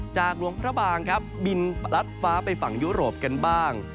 หลวงพระบางครับบินรัดฟ้าไปฝั่งยุโรปกันบ้าง